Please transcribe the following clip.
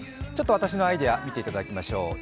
私のアイデア見ていただきましょう。